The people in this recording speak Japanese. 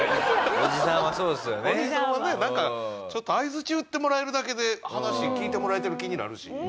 おじさんはねなんかちょっと相づち打ってもらえるだけで話聞いてもらえてる気になるし。